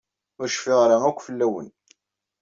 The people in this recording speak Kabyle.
Ur cfiɣ ara yakk fell-wen.